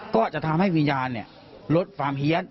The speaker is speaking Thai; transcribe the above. ก็จะทำให้วิญญาณลดความเฮียน